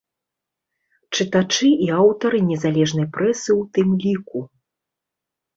Чытачы і аўтары незалежнай прэсы ў тым ліку.